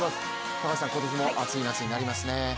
高橋さん、今年も熱い夏になりますね。